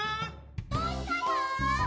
どうしたの？